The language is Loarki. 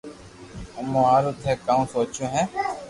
مون ھارو ٿي ڪاو سوچيو ھي